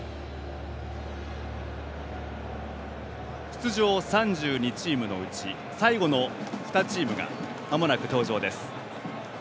出場３２チームのうち最後の２チームがまもなく登場です。